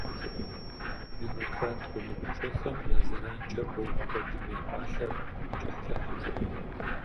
Бюрократ къулыкъущӏэхэм я зэранкӏэ ӏуэху куэдым я пӏалъэр кӏыхьлӏыхь мэхъу.